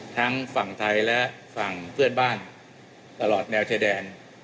ทั้งฝั่งไทยและฝั่งเพื่อนบ้านตลอดแนวชายแดน